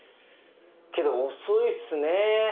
けど遅いっすねぇ。